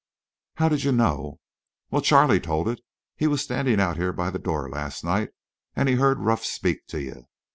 "How did you know?" "Well, Charley told it. He was standing out here by the door last night an' he heard Ruff speak to you.